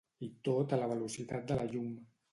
I tot a la velocitat de la llum.